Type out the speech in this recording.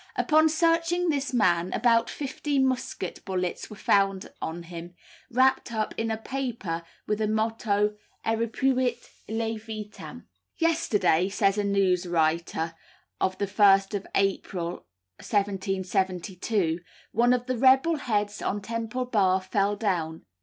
Upon searching this man, about fifty musket bullets were found on him, wrapped up in a paper with a motto "Eripuit ille vitam." "Yesterday," says a news writer of the 1st of April, 1772, "one of the rebel heads on Temple Bar fell down.